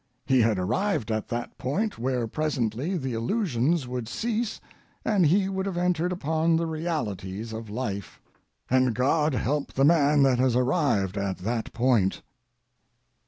He had arrived at that point where presently the illusions would cease and he would have entered upon the realities of life, and God help the man that has arrived at that point.